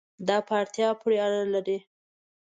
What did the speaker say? دا په اړتیا پورې اړه لري